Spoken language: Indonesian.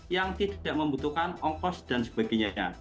yang tidak membutuhkan ongkos dan sebagainya